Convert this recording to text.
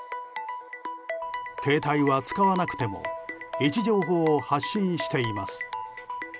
携帯は使わなくても位置情報を発信しています。